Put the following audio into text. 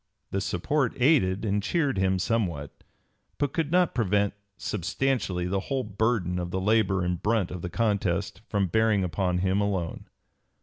This support aided and cheered him somewhat, but could not prevent substantially the whole burden of the labor and brunt of the contest from bearing upon him alone.